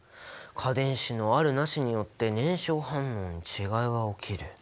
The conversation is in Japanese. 価電子のあるなしによって燃焼反応に違いが起きる。